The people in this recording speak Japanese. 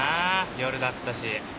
夜だったし。